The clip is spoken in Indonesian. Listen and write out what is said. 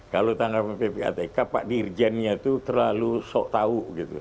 kalau tanggapan ppatk pak dirjennya itu terlalu sok tahu gitu